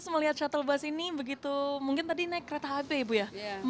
melihat shuttle bus ini seperti apa